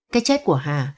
cái chết của hà